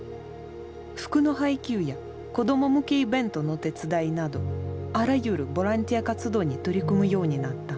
服の配給や子ども向けイベントの手伝いなどあらゆるボランティア活動に取り組むようになった。